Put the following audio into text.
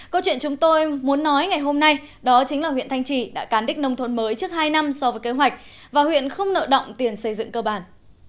câu chuyện chúng tôi muốn nói ngày hôm nay đó chính là huyện thanh trì đã cán đích nông thôn mới trước hai năm so với kế hoạch và huyện không nợ động tiền xây dựng cơ bản